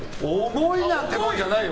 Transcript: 重いなんてもんじゃないよ。